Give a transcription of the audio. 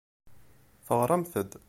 Teɣramt-d.